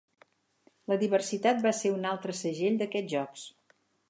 La diversitat va ser un altre segell d'aquests Jocs.